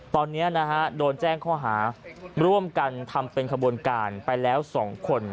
ตอนนี้นะฮะโดนแจ้งข้อหาร่วมกันทำเป็นขบวนการไปแล้ว๒คน